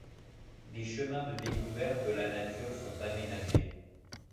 Des chemins de découverte de la nature sont aménagés.